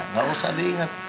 enggak usah diingat